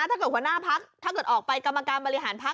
หัวหน้าพักถ้าเกิดออกไปกรรมการบริหารพัก